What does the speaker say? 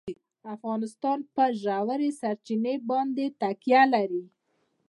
افغانستان په ژورې سرچینې باندې تکیه لري.